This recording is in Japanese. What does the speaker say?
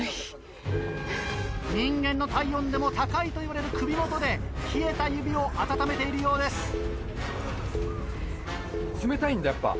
人間の体温でも高いといわれる首元で冷えた指を温めているようです。